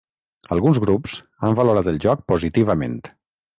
Alguns grups han valorat el joc positivament.